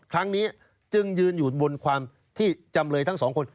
ครั้งนี้จึงยืนอยู่บนความที่จำเลยทั้งสองคน